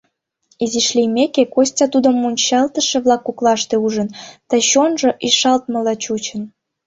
Изиш лиймеке, Костя тудым мунчалтыше-влак коклаште ужын да чонжо ишалтмыла чучын.